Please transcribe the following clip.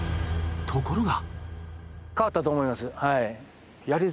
ところが。